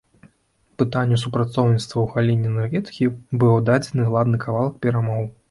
Пытанню супрацоўніцтва ў галіне энергетыкі быў аддадзены ладны кавалак перамоў.